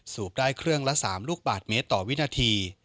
สูบได้เครื่องละ๓ลูกบาทเมตรต่อวินาที